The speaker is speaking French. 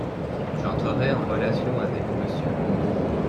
j'entrerai en relation avec M.